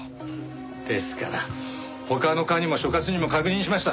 ですから他の課にも所轄にも確認しました。